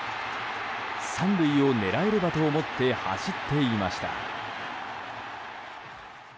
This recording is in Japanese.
３塁を狙えればと思って走っていました。